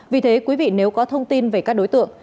vì thế quý vị nếu có thông tin về các đối tượng